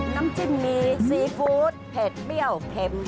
น้ำจิ้มมีซีฟู้ดเผ็ดเปรี้ยวเค็ม